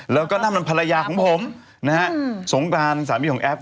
แล้วก็นั่นมันภรรยาของผมนะฮะสงกรานสามีของแอฟ